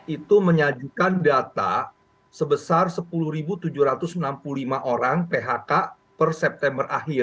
itu menyajikan data sebesar sepuluh tujuh ratus enam puluh lima orang phk per september akhir